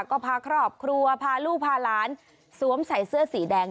ก็พาครอบครัวพาลูกพาหลานสวมใส่เสื้อสีแดง